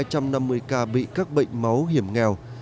nhiều nhân dân đau tủy xương năm mươi ca bị các bệnh máu hiểm nghèo